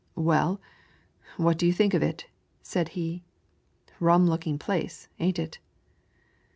"Well, what do you think of it?" said he, ^'rum looking place, ain't it?